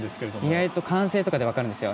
意外と歓声とかで分かるんですよ。